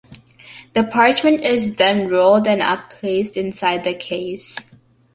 The parchment is then rolled up and placed inside the case.